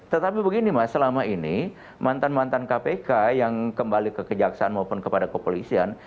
tetapi begini mas selama ini mantan mantan kpk yang kembali ke kejaksaan maupun kepada kepolisian